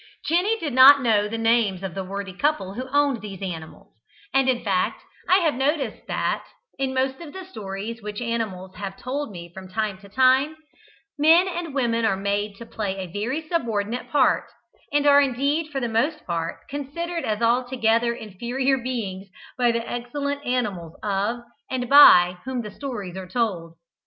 Jenny did not know the names of the worthy couple who owned these animals; and in fact I have noticed that, in most of the stories which animals have told me from time to time, men and women are made to play a very subordinate part, and are indeed for the most part considered as altogether inferior beings by the excellent animals of and by whom the stories are told.